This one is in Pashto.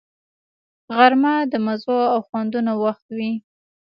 غرمه د مزو او خوندونو وخت وي